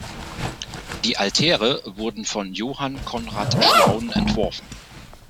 Die Altäre wurden von Johann Conrad Schlaun entworfen.